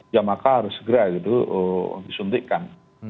ya maka harus segera gitu disuntikkan